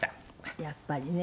やっぱりね。